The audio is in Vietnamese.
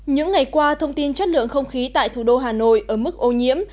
những ngày qua thông tin chất lượng không khí tại thủ đô hà nội ở mức ô nhiễm